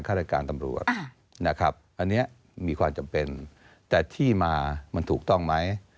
รายการตำรวจนะครับอันนี้มีความจำเป็นแต่ที่มามันถูกต้องไหม